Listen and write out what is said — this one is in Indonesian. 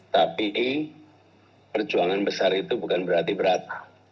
tapi perjuangan besar itu bukan berarti berat